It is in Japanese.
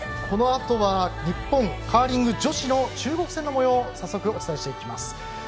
このあとは日本カーリング女子の中国戦のもようを早速、お伝えしていきます。